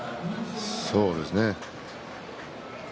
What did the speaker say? そうですね。